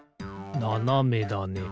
ななめだね。